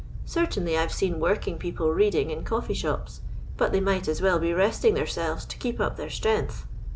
Sartinly I've seen working people reading in coffee shops; but they might as well be resting theirselves to keep up their strength.